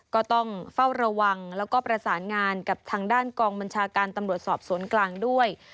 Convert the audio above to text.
ก็ต้องเฝ้าระวังแล้วก็ประสานงานกับทางด้านกองบัญชาการตำรวจสอบสวนกลางด้วย